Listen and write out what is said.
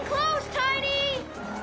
タイニー。